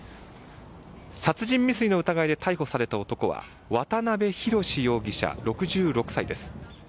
殺人未遂の疑いで逮捕された男は渡辺宏容疑者６６歳です。